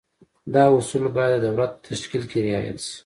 دا اصول باید د دولت په تشکیل کې رعایت شي.